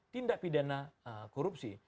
tindak pidana korupsi